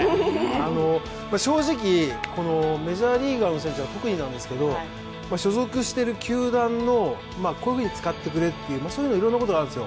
正直、メジャーリーガーの選手は特になんですけど、所属している球団の、こういうふうに使ってくれとか、いろんなことがあるんですよ。